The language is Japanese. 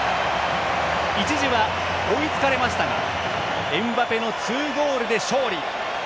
一時は追いつかれましたがエムバペの２ゴールで勝利。